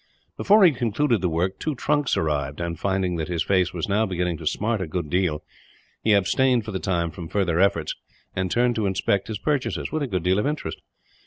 Before he had concluded the work two trunks arrived and, finding that his face was now beginning to smart a good deal, he abstained for the time from further efforts; and turned to inspect his purchases, with a good deal of interest.